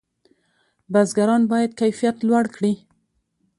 بزګران باید کیفیت لوړ کړي.